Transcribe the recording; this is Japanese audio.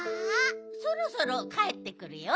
そろそろかえってくるよ。